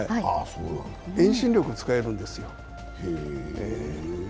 遠心力を使えるんですよ。